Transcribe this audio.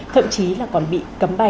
thậm chí là còn bị cấm bay